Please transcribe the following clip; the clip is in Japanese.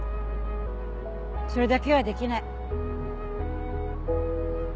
それだけはできない。